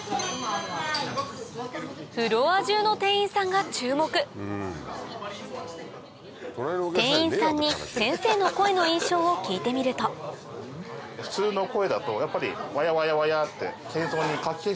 フロア中の店員さんが注目店員さんに先生の声の印象を聞いてみると感じがしたので。